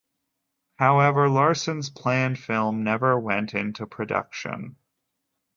However, Larson's planned film never went into production.